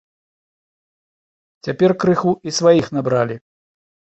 Цяпер крыху і сваіх набралі.